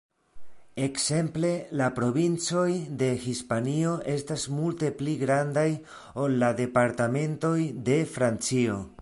Ekzemple la provincoj de Hispanio estas multe pli grandaj ol la departementoj de Francio.